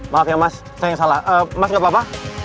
makanya mas saya yang salah mas gak apa apa